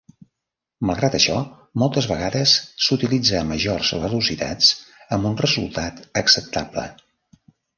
Malgrat això, moltes vegades s'utilitza a majors velocitats amb un resultat acceptable.